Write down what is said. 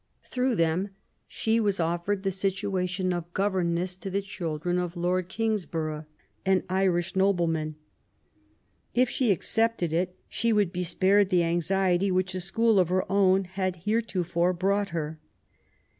Through them she was ofiered the situation of governess to the children of Lord Kingsborongh, an Irish nobleman. If she accepted it, she would be spared the anxiety which a school of her own had heretofore brought her.